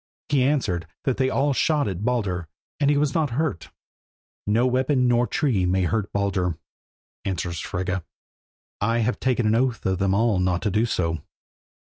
He answered that they all shot at Baldur and he was not hurt. "No weapon, nor tree may hurt Baldur," answers Frigga, "I have taken an oath of them all not to do so."